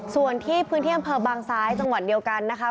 ส่วนที่พื้นที่อำเภอบางซ้ายจังหวัดเดียวกันนะคะ